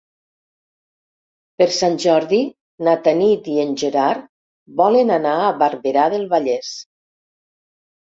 Per Sant Jordi na Tanit i en Gerard volen anar a Barberà del Vallès.